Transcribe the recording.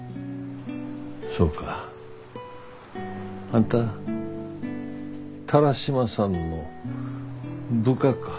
そうかあんた田良島さんの部下か。